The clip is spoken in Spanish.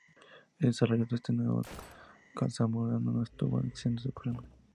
El desarrollo de este nuevo cazabombardero no estuvo exento de problemas.